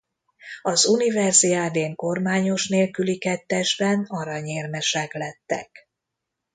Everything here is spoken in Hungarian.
Az universiadén kormányos nélküli kettesben aranyérmesek lettek.